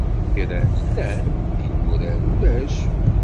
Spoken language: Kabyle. Imegran llan, inurar ulac.